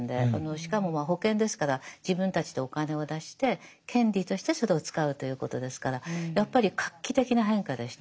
しかもまあ保険ですから自分たちでお金を出して権利としてそれを使うということですからやっぱり画期的な変化でした。